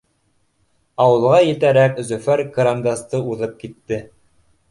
Ауылға етәрәк, Зөфәр кырандасты уҙып китте